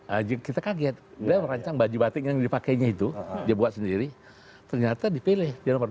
nah kita kaget dia merancang baju batik yang dipakainya itu dia buat sendiri ternyata dipilih dia nomor